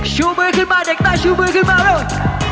ชูมือขึ้นมาเด็กได้ชูมือขึ้นมาเร็ว